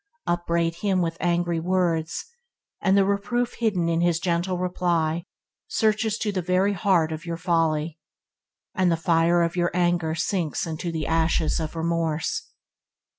Upbraid him with angry words, and the reproof hidden in his gentle reply searches to the very heart of your folly, and the fire of your anger sinks into the ashes of remorse.